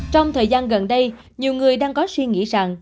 trong thời gian gần đây nhiều người đang có suy nghĩ rằng